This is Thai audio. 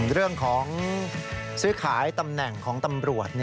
เรื่องของซื้อขายตำแหน่งของตำรวจ